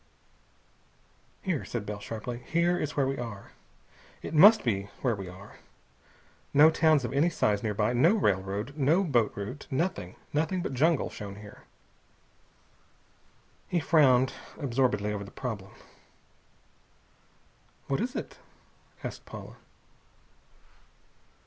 "Here," said Bell sharply. "Here is where we are. It must be where we are! No towns of any size nearby. No railroad. No boat route. Nothing! Nothing but jungle shown here!" He frowned absorbedly over the problem. "What is it?" asked Paula.